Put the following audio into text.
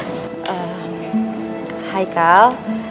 ehm hai kal